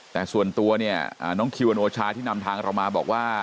แต่ส่วนตัวเนี่ยน้องคิวอโนชาที่นำทางเรามาบอกว่า